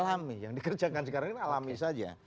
alami yang dikerjakan sekarang ini alami saja